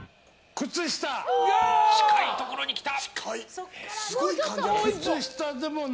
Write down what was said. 近いところに来た！